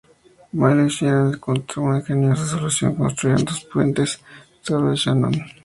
Máel Sechnaill encontró una ingeniosa solución: se construirían dos puentes sobre el Shannon.